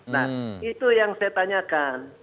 nah itu yang saya tanyakan